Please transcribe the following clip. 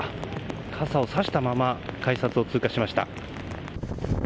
傘をさしたまま改札を通過しました。